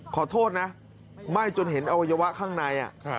ขอโทษนะไหม้จนเห็นอวัยวะข้างใน